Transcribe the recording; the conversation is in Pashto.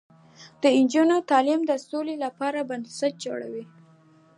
د نجونو تعلیم د سولې لپاره بنسټ جوړوي.